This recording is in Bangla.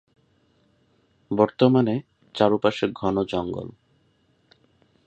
বর্তমানে চারপাশে ঘন জঙ্গল।